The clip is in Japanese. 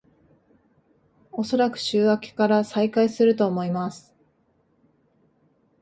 おそらく週明けから再開すると思います